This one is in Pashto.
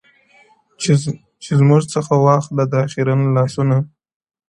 چي زموږ څه واخله دا خيرن لاســـــونه _